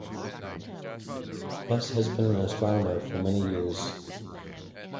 Bus has been an astronomer for many years.